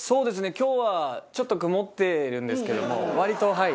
今日はちょっと曇ってるんですけども割とはい。